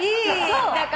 そう。